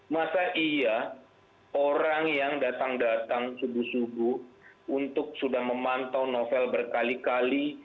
masa iya orang yang datang datang subuh subuh untuk sudah memantau novel berkali kali